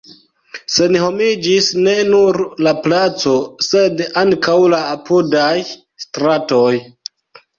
Senhomiĝis ne nur la placo, sed ankaŭ la apudaj stratoj.